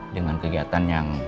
dengan kegiatan yang